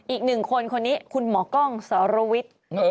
อีก๑คนคนนี้คุณหมอกล้องซารวิท